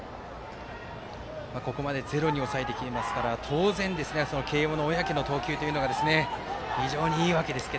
ここまでゼロに抑えてきていますから慶応の小宅の投球というのが非常にいいわけですが。